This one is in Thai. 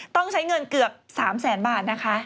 ต้องใช้เงินเกือบ๓แสนบาทนะคะ